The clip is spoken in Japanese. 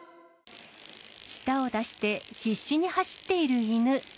舌を出して、必死に走っている犬。